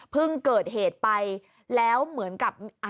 เกิดเหตุไปแล้วเหมือนกับ